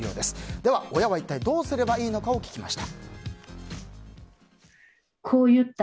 では、親は一体どうすればいいのか聞きました。